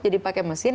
jadi pakai mesin